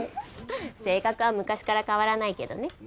性格は昔から変わらないけどね。